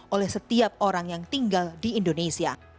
oleh setiap orang yang tinggal di indonesia